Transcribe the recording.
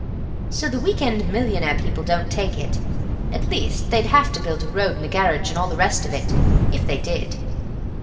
So the week end millionaire people don't take it. At least, they'd have to build a road and a garage and all the rest of it, if they did."